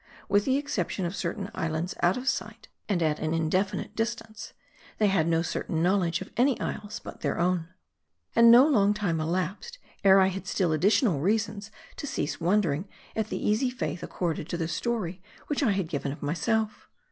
With the exception of certain islands out of sight and at an indefinite distance, they had no certain knowledge of any isles but their own. And, no long time elapsed ere I had still additional reasons to cease wondering at the easy faith accorded to the story which I had given of myself.